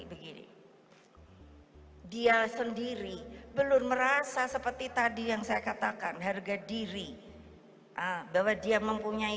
begini dia sendiri belum merasa seperti tadi yang saya katakan harga diri bahwa dia mempunyai